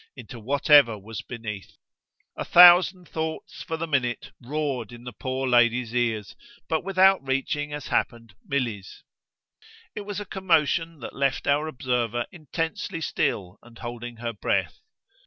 into whatever was beneath. A thousand thoughts, for the minute, roared in the poor lady's ears, but without reaching, as happened, Milly's. It was a commotion that left our observer intensely still and holding her breath.